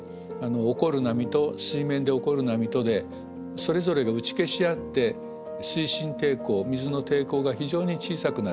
起こる波と水面で起こる波とでそれぞれが打ち消し合って推進抵抗水の抵抗が非常に小さくなる。